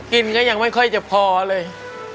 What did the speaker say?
ก็ยังไม่ค่อยจะพอเลย